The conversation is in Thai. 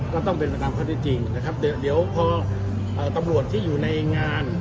ก็ต้องเป็นไปตามข้อที่จริงนะครับเดี๋ยวพอตำรวจที่อยู่ในงาน